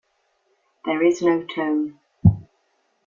There is no tone.